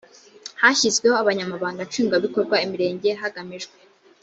hashyizweho abanyamabanga nshingwabikorwa imirenge hagamijwe